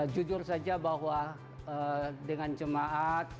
jujur saja bahwa dengan jemaat